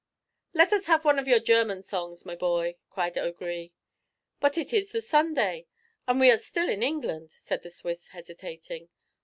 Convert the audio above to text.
"Let us have one of your German songs, my boy," cried O'Gree. "But it is the Sunday, and we are still in England," said the Swiss, hesitating.